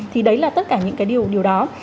thì đấy là tất cả những cái điều đó